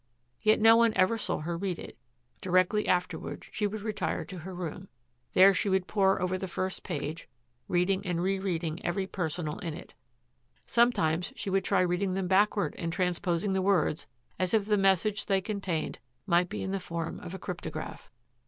Yet no one ever saw her read it. Directly afterward she would retire to her room. There she would pore over the first page, reading and rereading every personal in it. Sometimes she would try reading them backward and transposing the words, as if the message they contained might be in the form of a cryptograph.